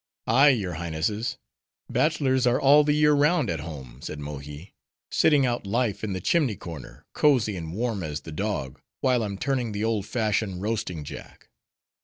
"Ay, your Highnesses, bachelors are all the year round at home;" said Mohi: "sitting out life in the chimney corner, cozy and warm as the dog, whilome turning the old fashioned roasting jack."